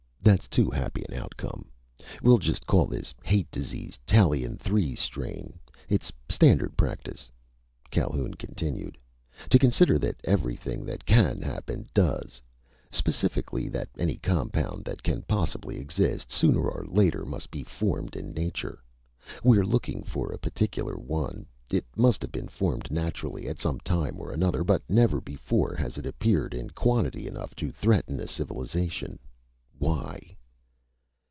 That's too happy an outcome. We'll just call this Hate Disease, Tallien Three strain. It's standard practice," Calhoun continued, "to consider that everything that can happen, does. Specifically, that any compound that can possibly exist, sooner or later must be formed in nature. We're looking for a particular one. It must have been formed naturally at some time or another, but never before has it appeared in quantity enough to threaten a civilization. Why?"